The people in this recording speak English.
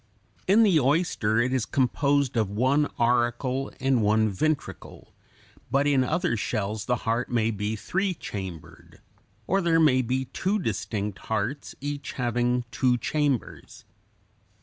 In the oyster (Fig. 79) it is composed of one auricle and one ventricle; but in other shells the heart may be three chambered, or there may be two distinct hearts, each having two chambers.